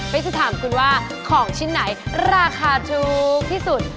เป็นจะถามคุณว่าของชิ้นไหนราคาถูกที่สุด